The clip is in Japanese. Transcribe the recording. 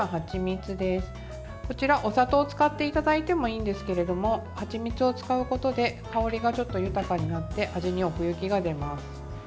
こちらお砂糖を使っていただいてもいいんですけれどもはちみつを使うことで香りがちょっと豊かになって味に奥行きが出ます。